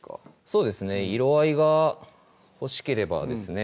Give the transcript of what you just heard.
そうですね色合いが欲しければですね